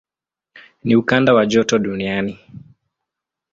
Ni ukanda wa joto duniani.